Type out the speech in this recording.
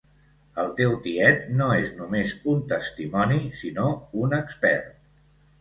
El teu tiet no és només un testimoni sinó un expert.